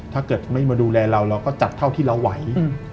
ถ้าเกิดไม่มาดูแลเราเราก็จัดเท่าที่เราไหว